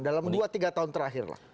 dalam dua tiga tahun terakhir lah